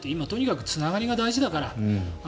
とにかく今つながりが大事だから。